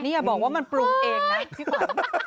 อย่าบอกว่ามันปรุงเองนะพี่ขวัญ